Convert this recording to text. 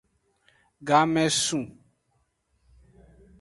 Game su.